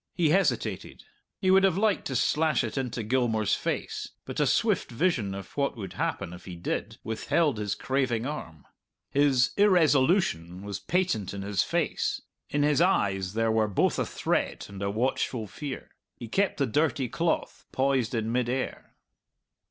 He hesitated. He would have liked to slash it into Gilmour's face, but a swift vision of what would happen if he did withheld his craving arm. His irresolution was patent in his face; in his eyes there were both a threat and a watchful fear. He kept the dirty cloth poised in mid air.